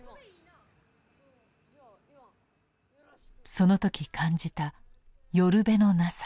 その時感じた寄る辺のなさ。